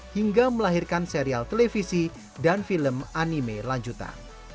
hingga melahirkan serial televisi dan film anime lanjutan